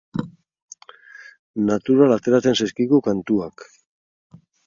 Natural ateratzen zaizkigu kantuak.